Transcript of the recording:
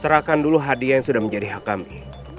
serahkan dulu hadiah yang sudah menjadi hak kami